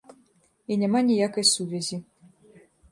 І няма ніякай сувязі.